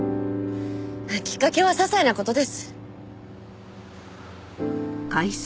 きっかけはささいな事です。